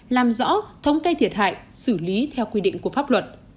làm rõ thống kê thiệt hại xử lý theo quy định của pháp luật